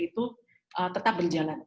itu tetap berjalan